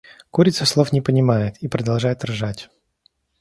Курица слов не понимает и продолжает ржать.